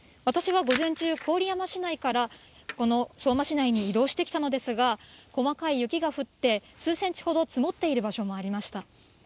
私は午前中、郡山市内から、この相馬市内に移動してきたのですが、細かい雪が降って、数センチほど積もっている場所もありました。